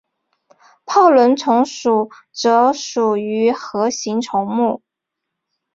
泡轮虫属则属于核形虫目。